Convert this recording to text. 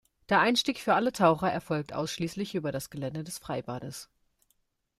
Der Einstieg für alle Taucher erfolgt ausschließlich über das Gelände des Freibades.